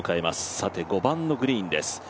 さて、５番のグリーンです。